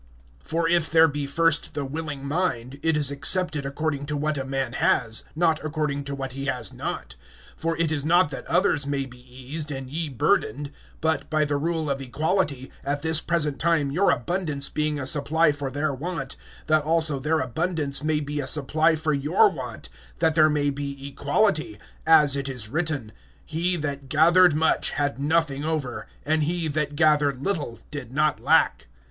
(12)For if there be first the willing mind, it is accepted according to what a man has, not according to what he has not. (13)For it is not that others may be eased, and ye burdened; (14)but, by the rule of equality, at this present time your abundance being a supply for their want, that also their abundance may be a supply for your want, that there may be equality; as it is written: (15)He that gathered much had nothing over, and he that gathered little did not lack.